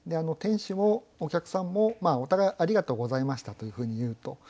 店主もお客さんもお互い「ありがとうございました」というふうに言うと。